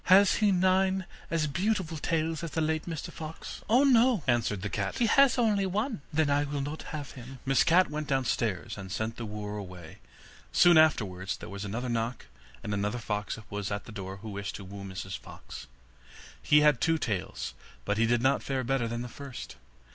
'Has he nine as beautiful tails as the late Mr Fox?' 'Oh, no,' answered the cat, 'he has only one.' 'Then I will not have him.' Miss Cat went downstairs and sent the wooer away. Soon afterwards there was another knock, and another fox was at the door who wished to woo Mrs Fox. He had two tails, but he did not fare better than the first.